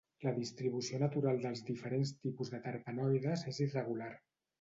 La distribució natural dels diferents tipus de terpenoides és irregular.